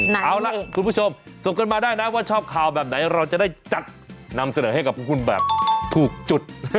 เอาล่ะคุณผู้ชมส่งกันมาได้นะว่าชอบข่าวแบบไหนเราจะได้จัดนำเสนอให้กับพวกคุณแบบถูกจุด